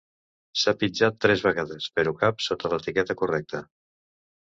S"ha pitjat tres vegades, però cap sota l"etiqueta correcta.